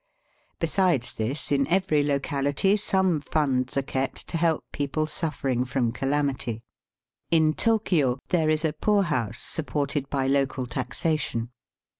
Besides this, in every locality, some funds are kept to help people suffering from calamity. In Tokio there is a poor house supported by local taxation.